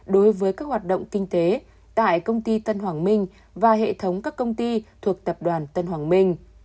đối với các hoạt động kinh tế tại công ty tân hoàng minh và hệ thống các công ty thuộc tập đoàn tân hoàng minh